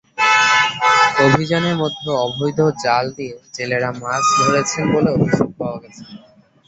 অভিযানের মধ্যেও অবৈধ জাল দিয়ে জেলেরা মাছ ধরেছেন বলে অভিযোগ পাওয়া গেছে।